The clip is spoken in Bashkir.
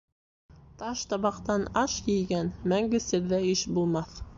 Таш табаҡтан аш ейгән мәңге серҙә иш булмаҫ.